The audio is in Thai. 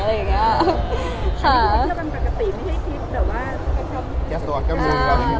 อันนี้คือเวทยาบรรยากาศปกติไม่ใช่คิดว่าแก้สตัวแก้มือ